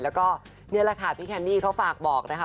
แล้วก็นี่แหละค่ะพี่แคนดี้เขาฝากบอกนะคะ